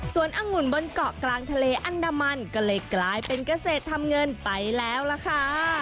ส่วนอังุ่นบนเกาะกลางทะเลอันดามันก็เลยกลายเป็นเกษตรทำเงินไปแล้วล่ะค่ะ